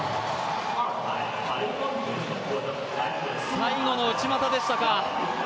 最後の内股でしたか。